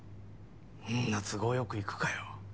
んな都合よくいくかよ。